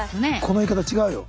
この言い方違うよ。